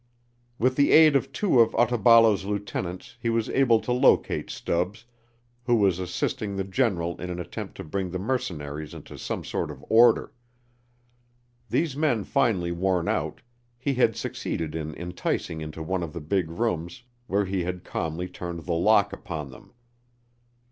With the aid of two of Otaballo's lieutenants he was able to locate Stubbs, who was assisting the General in an attempt to bring the mercenaries into some sort of order. These men finally worn out, he had succeeded in enticing into one of the big rooms where he had calmly turned the lock upon them.